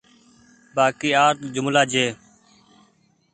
بآڪي اٺ جملآ ڇي